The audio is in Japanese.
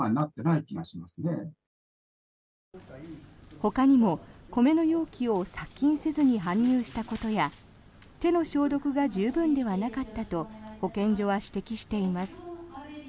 ほかにも米の容器を殺菌せずに搬入したことや手の消毒が十分ではなかったと保健所は指摘しています。